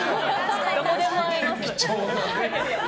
どこでも会えます。